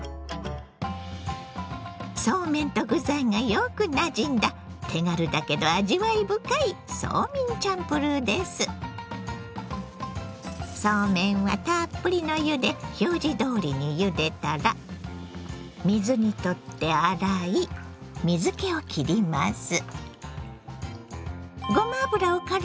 そうめんと具材がよくなじんだ手軽だけど味わい深いそうめんはたっぷりの湯で表示どおりにゆでたら水にとって洗い水けをきります。